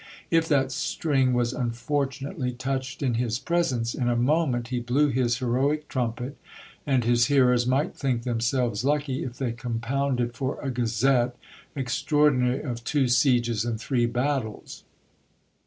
If that string was unfortunately touched in his presence, in a moment he blew his heroic trumpet, and his hearers might think themselves lucky if they compounded for a gazette extraordinary of two sieges and three battles.